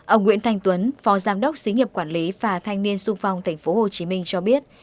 ông nguyễn thanh tuấn phó giám đốc xí nghiệp quản lý và thanh niên sung phong tp hcm cho biết